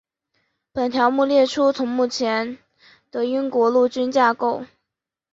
本条目列出目前的英国陆军架构。